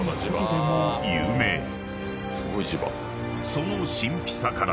［その神秘さから］